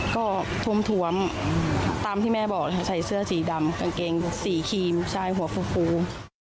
ก็ทวมตามที่แม่บอกใส่เสื้อสีดำกางเกงสีครีมชายหัวฟู